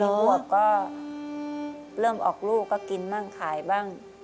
ขวบก็เริ่มออกลูกก็กินบ้างขายบ้าง